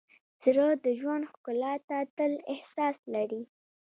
زړه د ژوند ښکلا ته تل احساس لري.